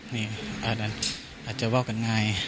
นี่อาจจะเว้ากันง่าย